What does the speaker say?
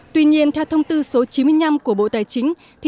tuy nhiên theo thông tư số chín mươi năm của bộ tài chính